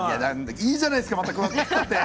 いいじゃないですかまた食ったって。